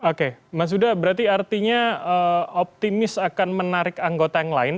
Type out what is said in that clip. oke mas huda berarti artinya optimis akan menarik anggota yang lain